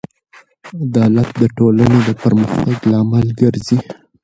عدالت د ټولنې د پرمختګ لامل ګرځي.